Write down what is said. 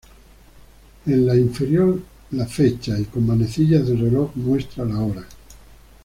En la inferior la fecha y con manecillas del reloj muestra la hora.